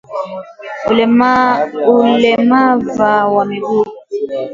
Ulemava wa miguu